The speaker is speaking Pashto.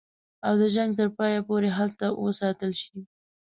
او د جنګ تر پایه پوري هلته وساتل شي.